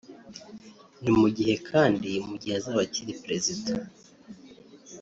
ni mu gihe kandi mu gihe azaba akiri Perezida